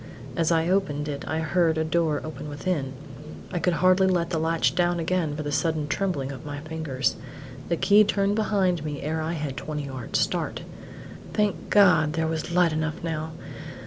As I opened it I heard a door open within. I could hardly let the latch down again for the sudden trembling of my fingers. The key turned behind me ere I had twenty yards' start. Thank God there was light enough now!